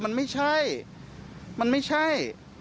มันไม่ใช่มันไม่ใช่